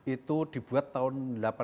itu dibuat tahun seribu delapan ratus tujuh puluh